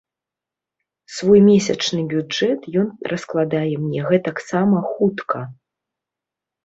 Свой месячны бюджэт ён раскладае мне гэтаксама хутка.